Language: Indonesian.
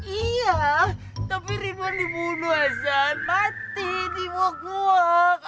iya tapi rituan dibunuh mati dibuang buang